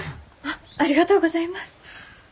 ありがとうございます。